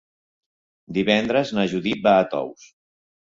Divendres na Judit va a Tous.